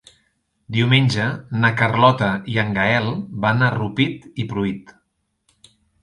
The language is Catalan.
Diumenge na Carlota i en Gaël van a Rupit i Pruit.